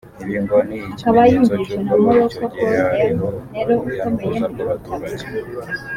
Ibi ngo ni ikimenyetso cy’uko muri icyo gihe hariho urujya n’uruza rw’abaturage